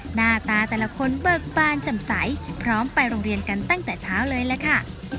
หน้าตาแต่ละคนเบิกบานจำใสพร้อมไปโรงเรียนกันตั้งแต่เช้าเลยล่ะค่ะ